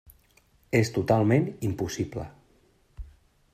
És totalment impossible.